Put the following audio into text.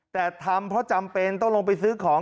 แต่ทำเพราะจำเป็นต้องลงไปซื้อของ